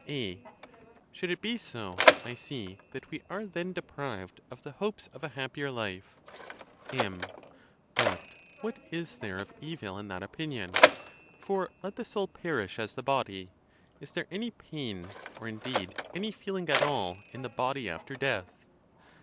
A, Should it be so, I see that we are then deprived of the hopes of a happier life. ON THE CONTEMPT OF DEATH. 45 MM. But what is there of evil in that opinion? For let the soul perish as the body: is there any pain, or indeed any feeling at all, in the body after death?